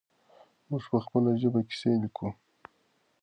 موږ په خپله ژبه کیسې لیکو.